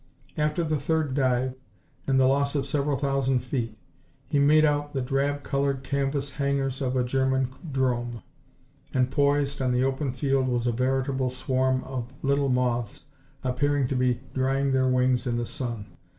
After the third dive, and the loss of several thousand feet, he made out the drab colored canvas hangars of a German 'drome, and poised on the open field was a veritable swarm of little moths appearing to be drying their wings in the sun.